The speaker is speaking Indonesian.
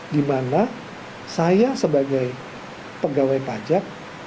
dimana saya sebagai pegawai pajak